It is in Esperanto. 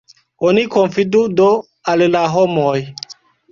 Oni konfidu do al la homoj!